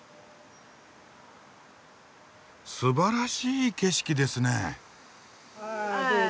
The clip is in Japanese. すばらしい景色ですねえ。